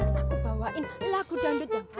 aku bawain lagu dandet yang bagus